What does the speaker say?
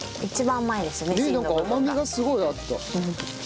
ねえなんか甘みがすごいあった。